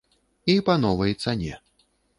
І па новай цане.